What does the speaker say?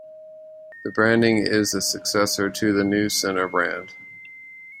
The branding is a successor to the NewsCenter brand.